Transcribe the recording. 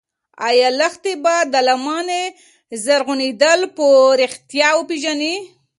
ایا لښتې به د لمنې زرغونېدل په رښتیا وپېژني؟